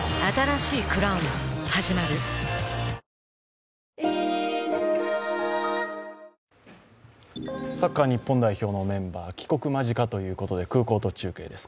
ＪＴサッカー日本代表のメンバー、帰国間近ということで空港と中継です。